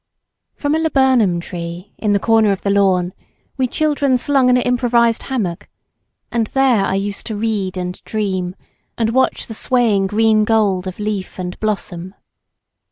From a laburnum tree in a corner of the lawn we children slung an improvised hammock, and there I used to read and dream, and watch the swaying green gold of leaf and blossom.